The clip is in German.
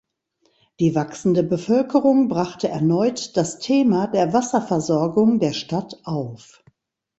Die wachsende Bevölkerung brachte erneut das Thema der Wasserversorgung der Stadt auf.